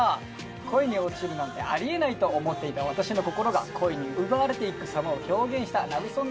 恋に落ちるなんてあり得ないと思っていた「わたし」の心が恋に奪われていく様を表現したラブソングとなっております。